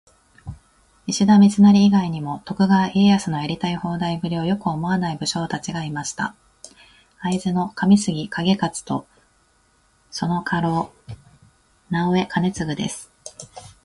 石田三成以外にも、徳川家康のやりたい放題ぶりをよく思わない武将達がいました。会津の「上杉景勝」とその家老「直江兼続」です。